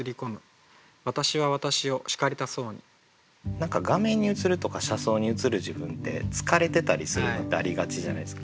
何か画面に映るとか車窓に映る自分って疲れてたりするのってありがちじゃないですか。